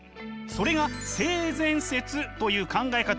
それが性善説という考え方です！